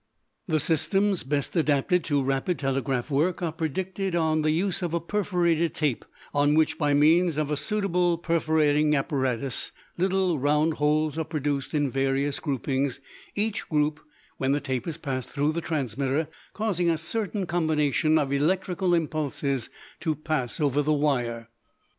The systems best adapted to rapid telegraph work are predicated on the use of a perforated tape on which, by means of a suitable perforating apparatus, little round holes are produced in various groupings, each group, when the tape is passed through the transmitter, causing a certain combination of electrical impulses to pass over the wire.